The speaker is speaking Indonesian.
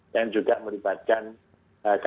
yang juga melibatkan korektur